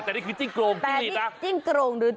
แต่นี่คือจิ้งโกรงจิ้งหรีดนะ